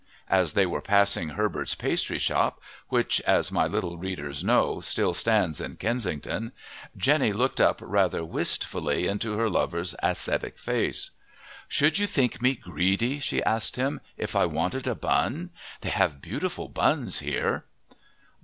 As they were passing Herbert's pastry shop, which as my little readers know, still stands in Kensington, Jenny looked up rather wistfully into her lover's ascetic face. "Should you think me greedy," she asked him, "if I wanted a bun? They have beautiful buns here!"